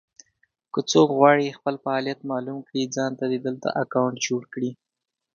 که څوک غواړي خپل فعالیت مالوم کړي ځانته دې دلته اکونټ جوړ کړي.